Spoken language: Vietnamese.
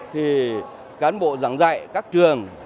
thì cán bộ giảng dạy các trường